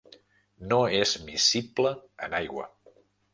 No és miscible en aigua.